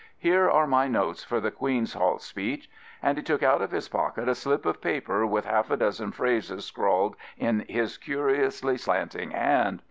Here are my notes for the Queen*s Hall speech. And he took out of his pocket a slip of paper with half a dozen phrases scrawled in his curiously slanting hand.